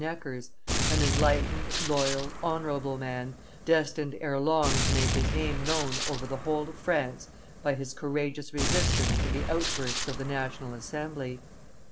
Necker's, an enlightened, loyal, honorable man, destined ere long to make his name known over the whole of France by his courageous resistance to the outbursts of the National Assembly.